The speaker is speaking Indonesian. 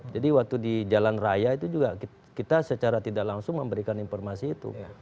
jadi waktu di jalan raya itu juga kita secara tidak langsung memberikan informasi itu